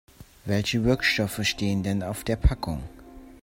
Welche Wirkstoffe stehen denn auf der Packung?